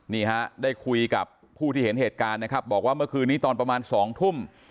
นี่ฮะได้คุยกับผู้ที่เห็นเหตุการณ์นะครับบอกว่าเมื่อคืนนี้ตอนประมาณ๒ทุ่ม